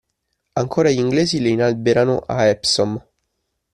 Ancora gli Inglesi le inalberano a Epsom.